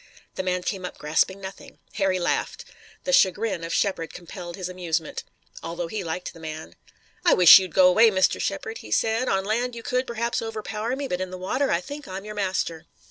The man came up grasping nothing. Harry laughed. The chagrin of Shepard compelled his amusement, although he liked the man. "I wish you'd go away, Mr. Shepard," he said. "On land you could, perhaps, overpower me, but in the water I think I'm your master.